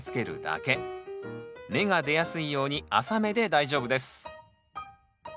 芽が出やすいように浅めで大丈夫です。